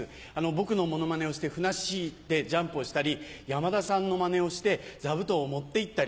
僕のモノマネをして「ふなっしー」ってジャンプをしたり山田さんのマネをして座布団を持っていったり。